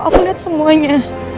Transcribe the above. aku liat semuanya